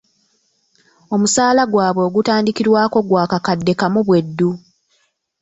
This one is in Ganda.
Omusaala gwabwe ogutandikirwako gwa kakadde kamu bweddu.